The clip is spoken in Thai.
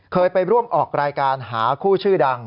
เคยไปร่วมออกรายการหาคู่ชื่อดัง